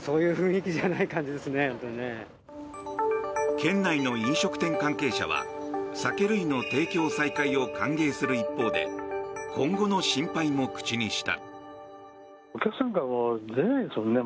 県内の飲食店関係者は酒類の提供再開を歓迎する一方で今後の心配も口にした。